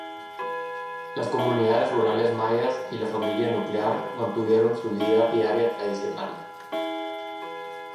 Las comunidades rurales mayas, y la familia nuclear, mantuvieron su vida diaria tradicional.